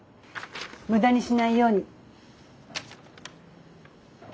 無駄にしないように。